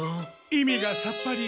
意味がさっぱり。